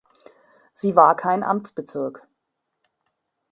Sie war kein Amtsbezirk.